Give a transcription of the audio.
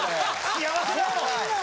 幸せだよ！